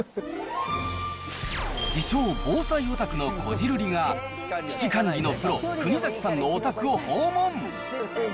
自称、防災オタクのこじるりが危機管理のプロ、国崎さんのお宅を訪問。